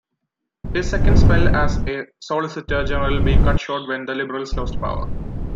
His second spell as Solicitor General being cut short when the Liberals lost power.